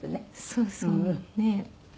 そうそう。ねえ。